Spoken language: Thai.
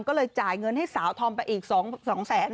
ก็เลยจ่ายเงินให้สาวธอมไปอีก๒แสน